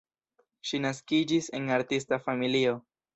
Ŝi naskiĝis en artista familio.